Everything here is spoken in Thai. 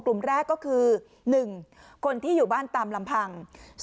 กลุ่มแรกก็คือ๑คนที่อยู่บ้านตามลำพัง